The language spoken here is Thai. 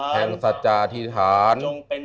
แห่งสัจจะอธิษฐาน